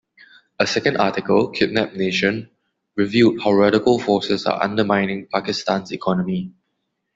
A second article, "Kidnapped Nation" revealed how radical forces are undermining Pakistan's economy.